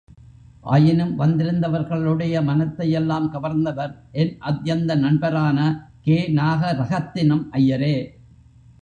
ஆயினும் வந்திருந்தவர்களுடைய மனத்தையெல்லாம் கவர்ந்தவர் என் அத்யந்த நண்பரான கே. நாகரகத்தினம் ஐயரே.